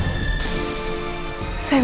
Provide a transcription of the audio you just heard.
saya sudah menang